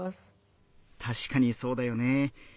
たしかにそうだよね。